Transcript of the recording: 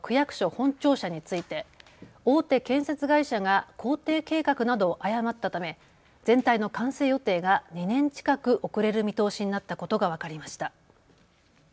本庁舎について大手建設会社が工程計画などを誤ったため全体の完成予定が２年近く遅れる見通しになったことが分かりました。